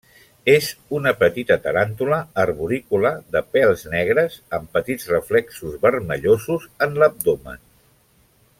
És una petita taràntula arborícola de pèls negres amb petits reflexos vermellosos en l'abdomen.